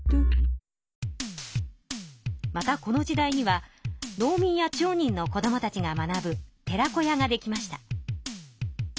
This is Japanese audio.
またこの時代には農民や町人の子どもたちが学ぶ寺子屋ができました。